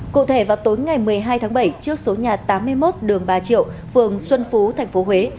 cụ thể vào tối ngày một mươi hai tháng bảy trước số nhà tám mươi một đường ba triệu phường xuân phú thành phố huế